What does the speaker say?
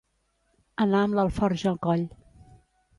Anar amb l'alforja al coll.